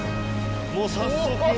もう早速。